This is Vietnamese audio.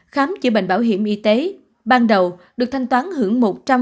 khám chữa bệnh bảo hiểm y tế ban đầu được thanh toán hưởng một trăm linh